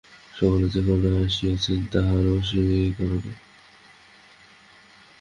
সকলে যে কারণে আসিয়াছেন তাহারও সেই একই কারণ।